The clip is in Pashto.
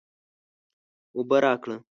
اوبه راکړه